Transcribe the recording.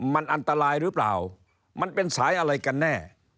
มันอันตรายหรือเปล่ามันเป็นสายอะไรกันแน่